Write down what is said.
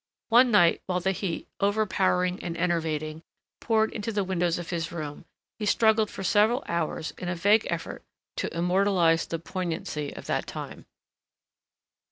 One night while the heat, overpowering and enervating, poured into the windows of his room he struggled for several hours in a vague effort to immortalize the poignancy of that time.